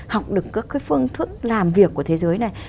học được các cái phương thức làm việc của thế giới này